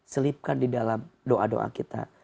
selipkan di dalam doa doa kita